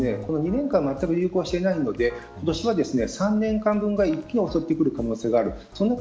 ２年間、日本ではまったく流行していないので今年は３年間分が一気に襲ってくる可能性がある。